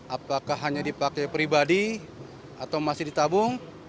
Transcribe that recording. apakah hanya dipakai pribadi atau masih ditabung